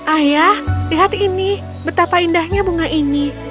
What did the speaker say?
ayah lihat ini betapa indahnya bunga ini